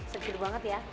seger banget ya